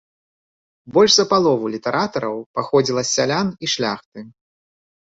Больш за палову літаратараў паходзіла з сялян і шляхты.